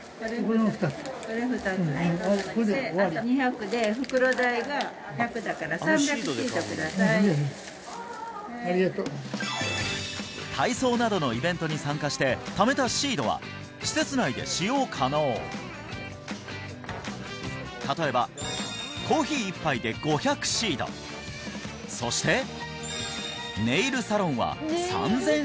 これで終わりありがとう体操などのイベントに参加してためたシードは施設内で使用可能例えばコーヒー一杯で５００シードそしてネイルサロンは３０００